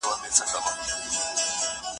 خولې کیږي